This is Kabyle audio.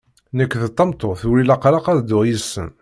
Nekk d tameṭṭut ur ilaq ara ad dduɣ yid-sen!